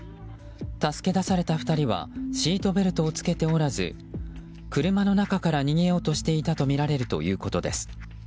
助け出された２人はシートベルトをつけておらず車の中から逃げようとしていたとみられるということです。